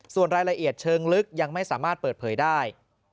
ส่วนรายละเอียดเชิงลึกยังไม่สามารถเปิดเผยได้